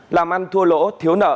làm ăn thua lỗ thiếu nợ